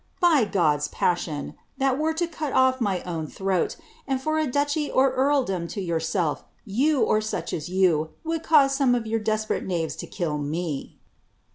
By God's passion! that were cut my own throat! and for a duchy or earldom to yourself, you, surU as you, would cause some of your desperate knaves to kill rae.